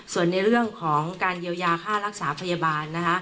ส่วนในเรื่องของการเยียวยาค่ารักษาพยาบาลนะคะ